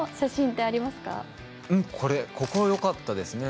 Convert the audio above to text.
ここ、よかったですね。